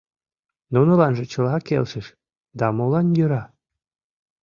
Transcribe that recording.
— Нуныланже чыла келшыш, да молан йӧра?